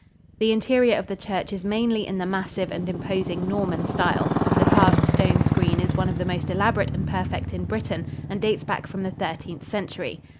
The interior of the church is mainly in the massive and imposing Norman style. The carved stone screen is one of the most elaborate and perfect in Britain, and dates back from the Thirteenth Century.